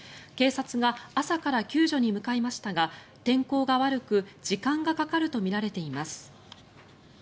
警察が朝から救助に向かいましたが天候が悪く時間がかかるとみられています。